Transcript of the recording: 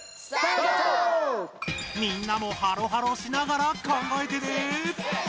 みんなもハロハロしながら考えてね！